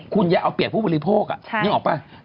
คุณอย่าเอาเปรียบผู้บริโภคนึงออกป่ะ